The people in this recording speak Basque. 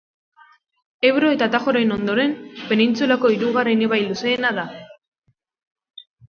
Ebro eta Tajoren ondoren, penintsulako hirugarren ibai luzeena da.